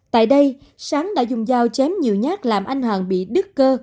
tại đây sáng đã dùng dao chém nhiều nhát làm anh hoàng bị đức cơ